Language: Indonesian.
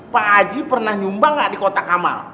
pak aji pernah nyumbang nggak di kota kamal